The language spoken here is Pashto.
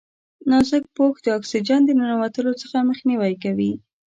نازک پوښ د اکسیجن د ننوتلو څخه مخنیوی کوي.